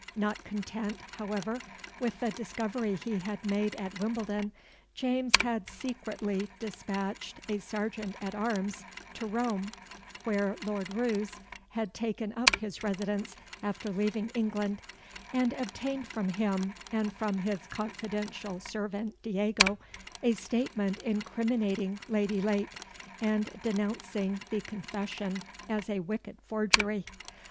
Not content, however, with the discovery he had made at Wimbledon, James had secretly despatched a serjeant at arms to Rome, where Lord Roos had taken up his residence after leaving England, and obtained from him and from his confidential servant Diego, a statement incriminating Lady Lake, and denouncing the confession as a wicked forgery.